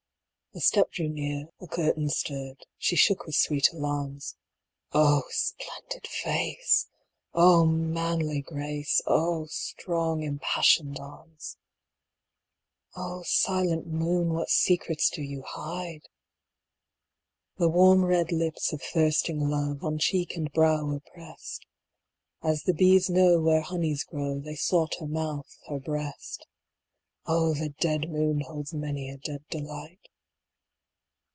A step drew near, a curtain stirred; She shook with sweet alarms. Oh! splendid face; oh! manly grace; Oh! strong impassioned arms. (Oh! silent moon, what secrets do you hide!) The warm red lips of thirsting love On cheek and brow were pressed; As the bees know where honeys grow, They sought her mouth, her breast. (Oh! the dead moon holds many a dead delight.)